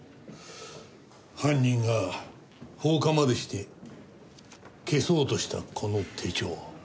犯人が放火までして消そうとしたこの手帳。